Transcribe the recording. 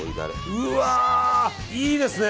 うわ、いいですね！